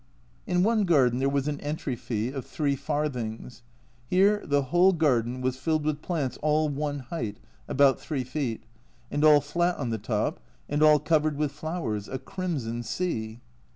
In one garden there was an entry fee of three farthings. Here the whole garden was filled with plants all one height (about 3 feet), and all flat on the top, and all covered with flowers a crimson sea.